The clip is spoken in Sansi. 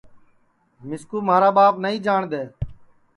مِسکُو مھارا ٻاپ نائی جاٹؔ دؔے